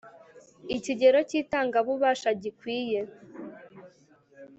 Ikigero cy itanga bubasha gikwiye